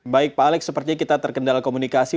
baik pak alex sepertinya kita terkendala komunikasi